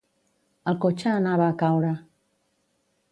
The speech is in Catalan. El cotxe anava a caure.